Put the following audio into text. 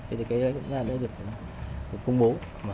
thế thì cái đó cũng đã được công bố